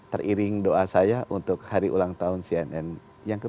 teriring doa saya untuk hari ulang tahun cnn yang ke dua puluh